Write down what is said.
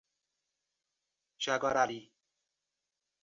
Jaguarari